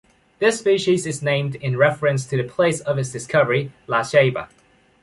This species is named in reference to the place of its discovery, La Ceiba.